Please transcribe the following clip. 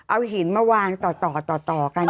เอาหินมาวางต่อกัน